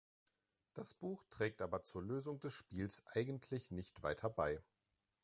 Das Buch trägt aber zur Lösung des Spiels eigentlich nicht weiter bei.